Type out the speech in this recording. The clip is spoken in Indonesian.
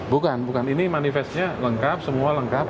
bukan bukan ini manifestnya lengkap semua lengkap